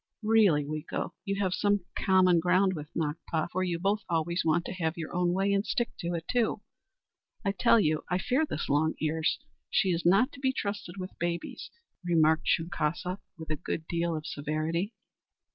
"Really, Weeko, you have some common ground with Nakpa, for you both always want to have your own way, and stick to it, too! I tell you, I fear this Long Ears. She is not to be trusted with babies," remarked Shunkaska, with a good deal of severity.